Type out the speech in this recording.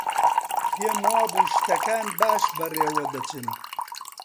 پێم وابوو شتەکان باش بەڕێوە دەچن.